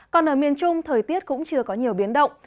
còn ở miền trung thời tiết cũng chưa có nhiều biến động